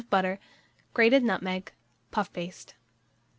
of butter, grated nutmeg, puff paste.